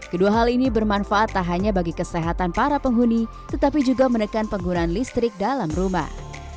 kedua hal ini bermanfaat tak hanya bagi kesehatan para penghuni tetapi juga menekan penggunaan listrik dalam rumah